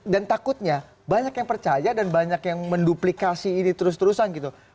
dan takutnya banyak yang percaya dan banyak yang menduplikasi ini terus terusan gitu